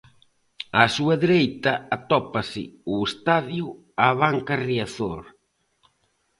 Á súa dereita atópase o estadio Abanca Riazor.